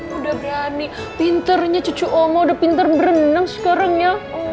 udah berani pinternya cucu omo udah pinter berenang sekarang ya